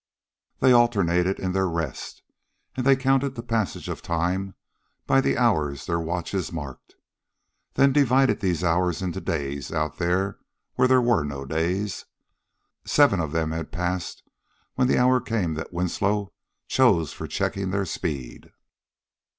They alternated in their rest. And they counted the passage of time by the hours their watches marked, then divided these hours into days out there where there were no days. Seven of them had passed when the hour came that Winslow chose for checking their speed.